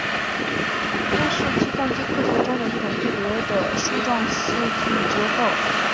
堆是计算机科学中的一种特别的树状数据结构。